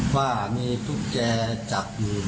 ว่ามีตุ๊กแกจับอยู่